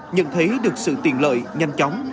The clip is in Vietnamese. nhận thấy được sự tiện lợi nhanh chóng